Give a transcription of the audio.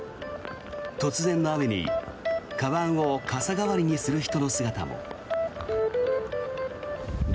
突然の雨に、かばんを傘代わりにする人の姿も。